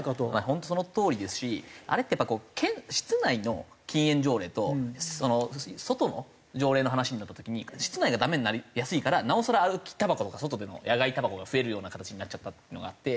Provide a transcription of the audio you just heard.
本当そのとおりですしあれってやっぱこう室内の禁煙条例と外の条例の話になった時に室内がダメになりやすいからなおさら歩きたばことか外での野外たばこが増えるような形になっちゃったのがあって。